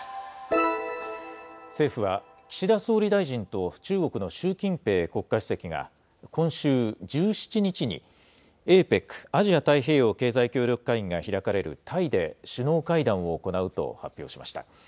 政府は、岸田総理大臣と中国の習近平国家主席が、今週１７日に、ＡＰＥＣ・アジア太平洋経済協力会議が開かれるタイで首脳会談を行うと発表しました。